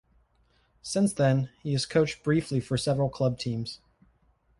Since then, he has coached briefly for several club teams.